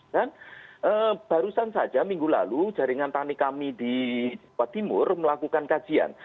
dan barusan saja minggu lalu jaringan tani kami di kota timur melakukan kajian